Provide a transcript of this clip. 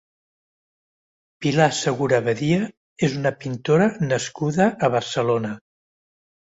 Pilar Segura Badia és una pintora nascuda a Barcelona.